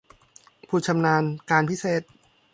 ผู้ชำนาญการพิเศษ